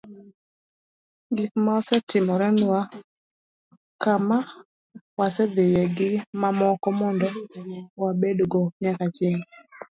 gik ma osetimorenwa, kama ma wasedhiye, gi mamoko, mondo wabedgo nyaka chieng'